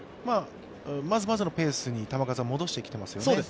まずまずのペースに球数は戻してきてますよね。